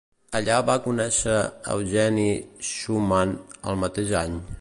Allà va conèixer Eugenie Schumann el mateix any.